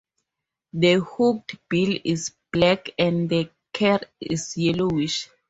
The hooked bill is black and the cere is yellowish.